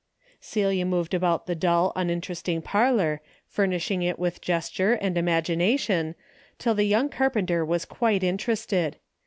'' Celia moved about the dull unin teresting parlor, furnishing it with gesture and imagination, till the young carpenter was quite interested.